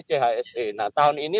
chse nah tahun ini